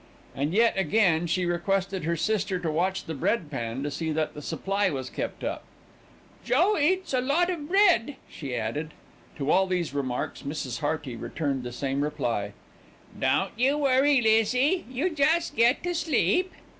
And yet again she requested her sister to watch the bread pan to see that the supply was kept up. "Joe eats a lot of bread," she added. To all these remarks, Mrs. Hearty returned the same reply. "Don't you worry, Lizzie. You just get to sleep."